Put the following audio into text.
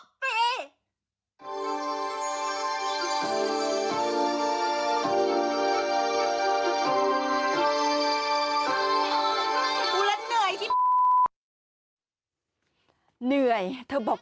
กินให้ดูเลยค่ะว่ามันปลอดภัย